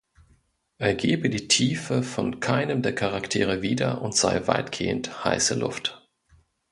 Er gebe die Tiefe von keinem der Charaktere wieder und sei weitgehend "„heiße Luft“".